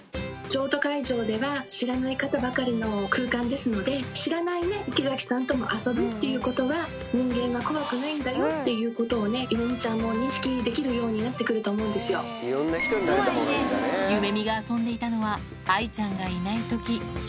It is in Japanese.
譲渡会場では、知らない方ばかりの空間ですので、知らない池崎さんとも遊ぶっていうことは、人間は怖くないんだよということを、ゆめみちゃんも認識できるよとはいえ、ゆめみが遊んでいたのは、愛ちゃんがいないとき。